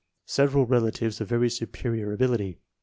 Several relatives of very superior ability.